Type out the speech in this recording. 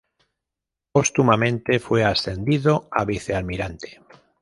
Póstumamente fue ascendido a vicealmirante.